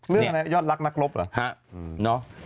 เรื่องอะไรยอดรักนักรบเหรอฮะ